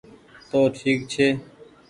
تونٚ ٺيڪ ڇي